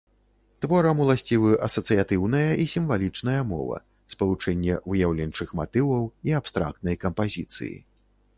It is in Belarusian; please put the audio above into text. Творам уласцівы асацыятыўная і сімвалічная мова, спалучэнне выяўленчых матываў і абстрактнай кампазіцыі.